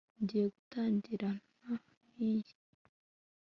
ngiye gutangirana niyi